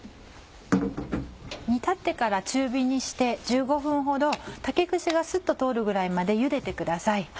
煮立ってから中火にして１５分ほど竹串がスッと通るぐらいまでゆでてください。